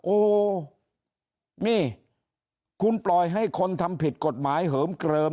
โอ้โหนี่คุณปล่อยให้คนทำผิดกฎหมายเหิมเกลิม